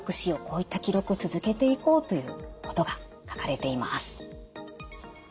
こういった記録を続けていこうということが書かれています。